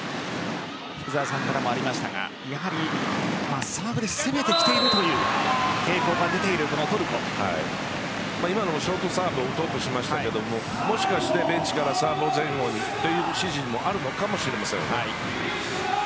福澤さんからもありましたがサーブで攻めてきているという今のもショートサーブを打とうとしましたがもしかしてベンチからサーブを前後にという指示もあるのかもしれません。